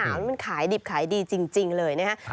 อันนี้มันขายดิบขายดีจริงเลยนะครับ